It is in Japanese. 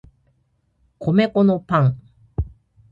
米粉のパン